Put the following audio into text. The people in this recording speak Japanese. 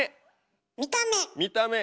見た目！